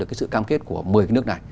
cái sự cam kết của một mươi cái nước này